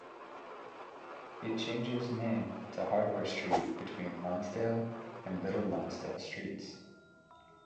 It changes name to Hardware Street between Lonsdale and Little Lonsdale Streets.